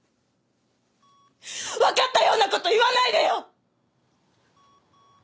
わかったような事言わないでよ！